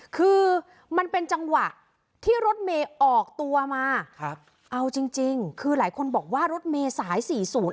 คือมันเป็นจังหวะที่รถเมย์ออกตัวมาครับเอาจริงจริงคือหลายคนบอกว่ารถเมษายสี่ศูนย์